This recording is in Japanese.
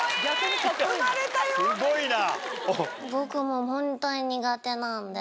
すごいな。